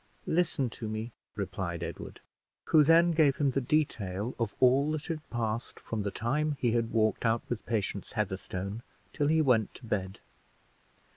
Listen to me," replied Edward, who then gave him the detail of all that had passed from the time he had walked out with Patience Heatherstone till he went to bed.